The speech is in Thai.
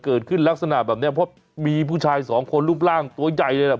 เกิดขึ้นลักษณะแบบนี้เพราะว่ามีผู้ชาย๒คนรูปร่างตัวใหญ่เลย